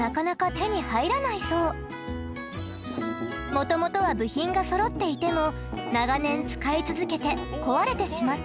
もともとは部品がそろっていても長年使い続けて壊れてしまった楽器。